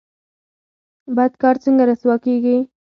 بد کار څنګه رسوا کیږي؟